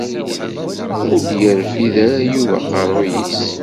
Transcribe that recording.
Ur d-yerfid ara Yuba aqerruy-is.